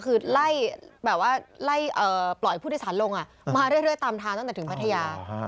คือไล่แบบว่าไล่ปล่อยผู้โดยสารลงมาเรื่อยตามทางตั้งแต่ถึงพัทยา